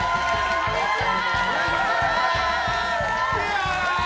こんにちは！